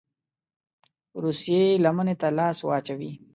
روسيې لمني ته لاس واچوي.